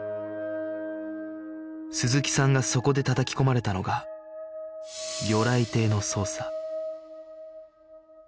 鈴木さんがそこでたたき込まれたのが魚雷艇の操作